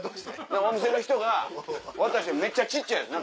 お店の人が渡したのめっちゃ小っちゃいです。